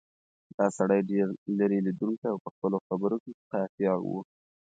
دا سړی ډېر لیرې لیدونکی او په خپلو خبرو کې قاطع و.